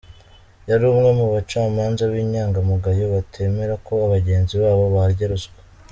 Yari umwe mu bacamanza b’inyangamugayo, batemera ko bagenzi babo barya ruswa.